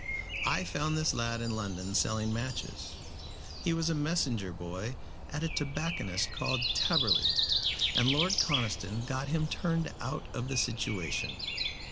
I found this lad in London selling matches. He was a messenger boy at a tobacconist called Taberley, and Lord Conniston got him turned out of the situation."